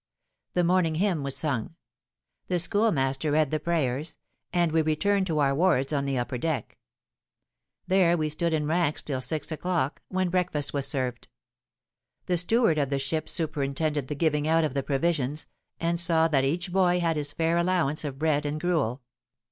The morning hymn was sung: the schoolmaster read the prayers; and we returned to our wards on the upper deck. There we stood in ranks till six o'clock, when breakfast was served. The steward of the ship superintended the giving out of the provisions, and saw that each boy had his fair allowance of bread and gruel.